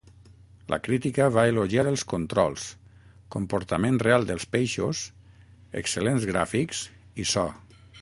La crítica va elogiar els controls, comportament real dels peixos, excel·lents gràfics i so.